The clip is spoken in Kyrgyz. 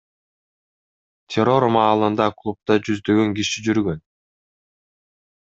Террор маалында клубда жүздөгөн киши жүргөн.